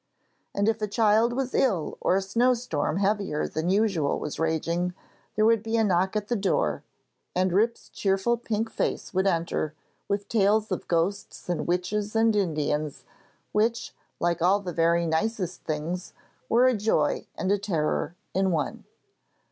And if a child was ill or a snowstorm heavier than usual was raging, there would be a knock at the door, and Rip's cheerful pink face would enter, with tales of ghosts and witches and Indians, which, like all the very nicest things, were a joy and a terror in one.